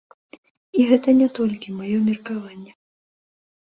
І гэта не толькі маё меркаванне.